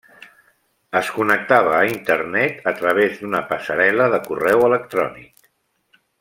Es connectava a Internet a través d'una passarel·la de correu electrònic.